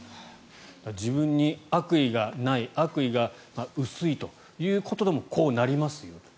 自分に悪意がない悪意が薄いということでもこうなりますよと。